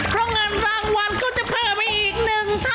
เพราะเงินรางวัลก็จะเพิ่มไปอีก๑เท่า